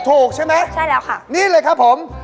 ถูกใช่ไหมใช่แล้วค่ะนี่เลยครับผม